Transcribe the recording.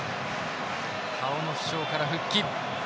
顔の負傷から復帰。